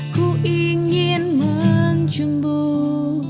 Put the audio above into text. ku ingin menjemput